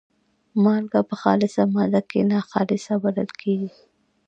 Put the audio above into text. مالګه په خالصه ماده کې ناخالصه بلل کیږي.